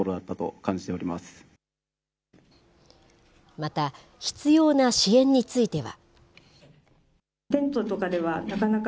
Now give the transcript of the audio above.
また、必要な支援については。